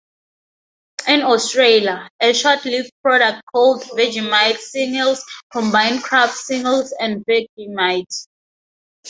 In Australia, a short-lived product called Vegemite Singles combined Kraft Singles and Vegemite.